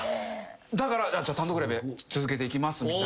だからじゃあ単独ライブ続けていきますみたいな。